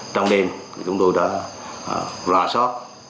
trong đêm thì chúng tôi đã ròa sóc